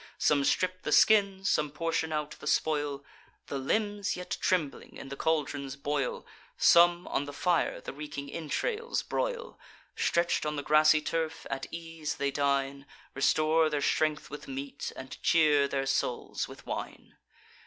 Some strip the skin; some portion out the spoil; The limbs, yet trembling, in the caldrons boil; Some on the fire the reeking entrails broil. Stretch'd on the grassy turf, at ease they dine, Restore their strength with meat, and cheer their souls with wine.